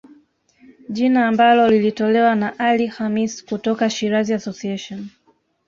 Jina ambalo lilitolewa na Ali Khamis kutoka Shirazi Association